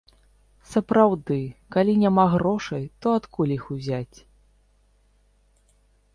Сапраўды, калі няма грошай, то адкуль іх узяць.